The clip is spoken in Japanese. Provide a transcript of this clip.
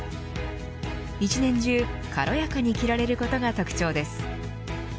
一年中、軽やかに着られることが特徴です。